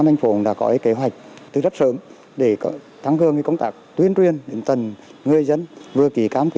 ắt không giảm